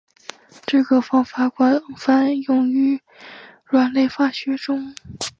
这个方法广泛用于甾类化学中。